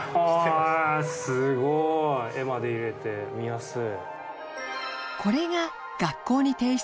悗А舛すごい絵まで入れて見やすい。